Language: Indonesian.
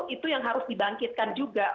itu yang harus dibangkitkan juga